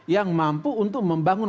yang mampu untuk membangun